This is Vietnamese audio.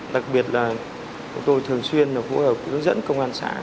đặc biệt là chúng tôi thường xuyên phối hợp hướng dẫn công an xã